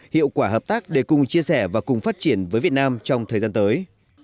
hiệu quả hợp tác để cùng chia sẻ và cùng phát triển với việt nam trong thời gian tới